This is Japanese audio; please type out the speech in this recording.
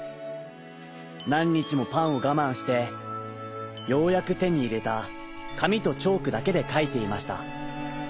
なんにちもパンをがまんしてようやくてにいれたかみとチョークだけでかいていました。